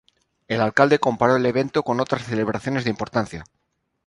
El alcalde comparó el evento con otras celebraciones de importancia.